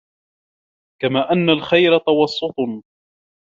كَمَا أَنَّ الْخَيْرَ تَوَسُّطٌ